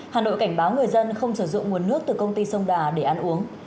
hà nội cảnh báo người dân không sử dụng nguồn nước từ công ty sông đà để ăn uống